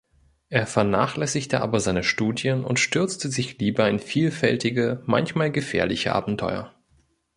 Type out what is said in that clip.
Er vernachlässigte aber seine Studien und stürzte sich lieber in vielfältige, manchmal gefährliche Abenteuer.